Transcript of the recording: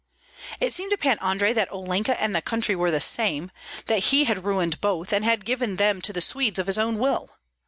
It seemed to Pan Andrei that Olenka and the country were the same, that he had ruined both and had given them to the Swedes of his own will.